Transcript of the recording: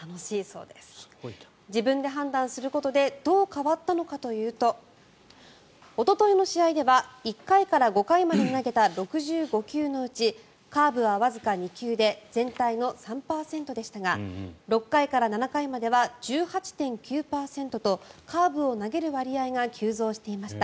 自分で判断することでどう変わったのかというとおとといの試合では１回から５回までに投げた６５球のうちカーブはわずか２球で全体の３％でしたが６回から７回までは１８．９％とカーブを投げる割合が急増していました。